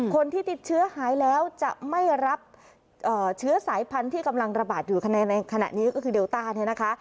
คนที่ติดเชื้อหายแล้วจะไม่รับเชื้อสายพันธุ์ที่กำลังระบาดอยู่ในขณะนี้ก็คือเดลต้าเนี่ยนะคะ